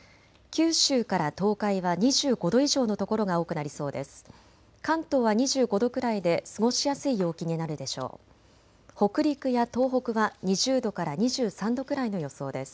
九州から東海は２５度以上の所が多くなりそうです。